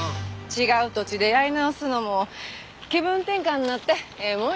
違う土地でやり直すのも気分転換になってええもんやね。